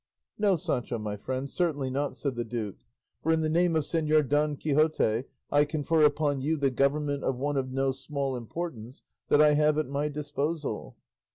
"No, Sancho my friend, certainly not," said the duke, "for in the name of Señor Don Quixote I confer upon you the government of one of no small importance that I have at my disposal."